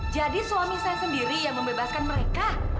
jadi suami saya sendiri yang membebaskan mereka